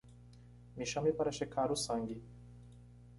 Me chame para checar o sangue